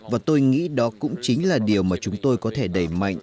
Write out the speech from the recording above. và tôi nghĩ đó cũng chính là điều mà chúng tôi có thể đẩy mạnh